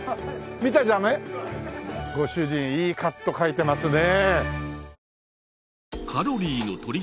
見たらダメ？ご主人いいカット描いてますね。